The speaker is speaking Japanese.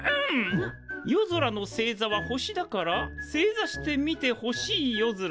夜空の星座は星だから正座して見て星いよずら。